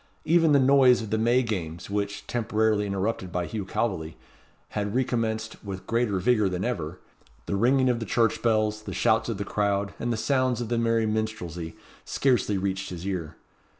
Even the noise of the May Games, which, temporarily interrupted by Hugh Calveley, had recommenced with greater vigour than ever the ringing of the church bells, the shouts of the crowd, and the sounds of the merry minstrelsy, scarcely reached his ear.